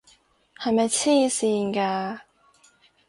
係咪癡線㗎？